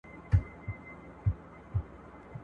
شپې په تمه د سهار یو ګوندي راسي !.